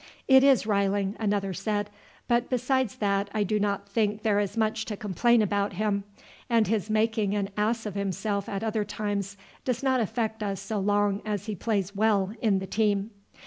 "It is riling," another said; "but besides that I do not think there is much to complain about him, and his making an ass of himself at other times does not affect us so long as he plays well in the team."